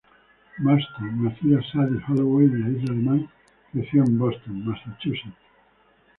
Marston, nacida Sadie Holloway en la Isla de Man, creció en Boston, Massachusetts.